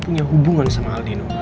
punya hubungan sama aldino